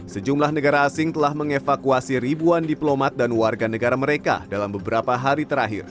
sejumlah negara asing telah mengevakuasi ribuan diplomat dan warga negara mereka dalam beberapa hari terakhir